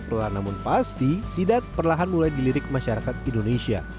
perulahan namun pasti sidap perlahan mulai dilirik ke masyarakat indonesia